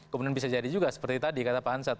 kemudian bisa jadi juga seperti tadi kata pak ansat